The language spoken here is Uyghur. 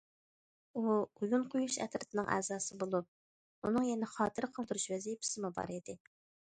ئۇ ئويۇن قويۇش ئەترىتىنىڭ ئەزاسى بولۇپ، ئۇنىڭ يەنە خاتىرە قالدۇرۇش ۋەزىپىسىمۇ بار ئىدى.